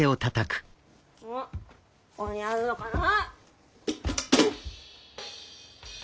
おっここにあるのかな？